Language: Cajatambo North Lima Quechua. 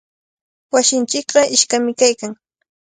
Wasinchikqa iskami kaykan.